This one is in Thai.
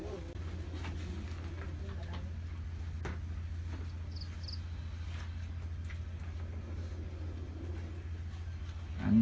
ฮ่าท่านบริษัท